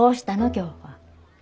今日は。